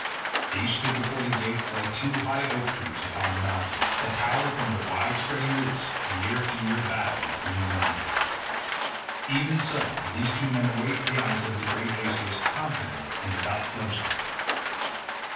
These stood before the gates like two high oak trees upon the mountains, that tower from their wide spreading roots, and year after year battle with wind and rain—even so did these two men await the onset of great Asius confidently and without flinching.